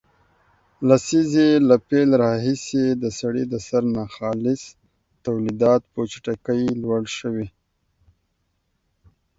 لسیزې له پیل راهیسې د سړي د سر ناخالص تولیدات په چټکۍ لوړ شوي